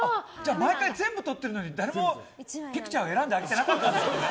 毎回全部撮ってるのに誰もピクチャーを選んであげてなかったんだ。